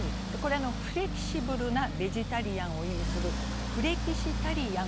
フレキシブルなベジタリアンを意味する「フレキシタリアン」